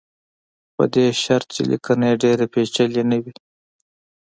خو په دې شرط چې لیکنه یې ډېره پېچلې نه وي.